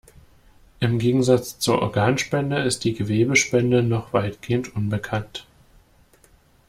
Im Gegensatz zur Organspende ist die Gewebespende noch weitgehend unbekannt.